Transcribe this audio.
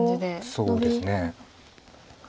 そうですね。